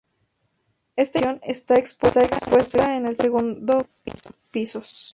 Esta información está expuesta en el segundo pisos.